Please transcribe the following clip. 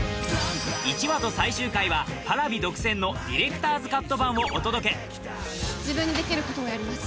１話と最終回はＰａｒａｖｉ独占のディレクターズカット版をお届け自分にできることをやります